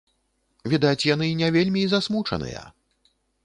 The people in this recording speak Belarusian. Відаць, яны не вельмі і засмучаныя.